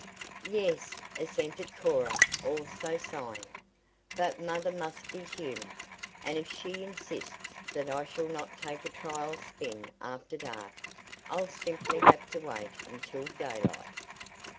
"Yes," assented Cora, also sighing. "But mother must be humored, and if she insists that I shall not take a trial spin after dark, I'll simply have to wait until daylight.